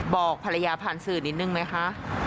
บอกภรรยาผ่านสื่อนิดนึงไหมคะ